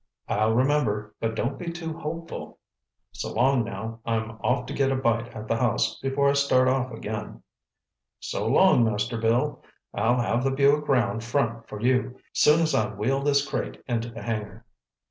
"I'll remember, but don't be too hopeful. So long now. I'm off to get a bite at the house before I start off again." "So long, Master Bill. I'll have the Buick 'round front for you, soon as I wheel this crate into the hangar."